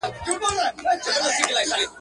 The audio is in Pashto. کرونا جدی وګڼی.! .